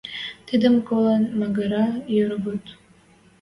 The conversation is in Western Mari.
Тидӹм колын мӓгӹрӓ йӹвӹрт...